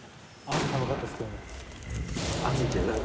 朝寒かったですけどね。